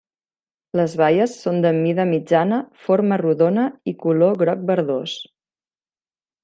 Les baies són de mida mitjana, forma rodona i color groc-verdós.